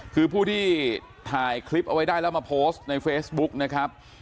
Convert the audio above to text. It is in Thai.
คือผู้ที่ถ่ายคลิปเอาไว้ได้แล้วมาโพสต์ในเฟซบุ๊กนะครับ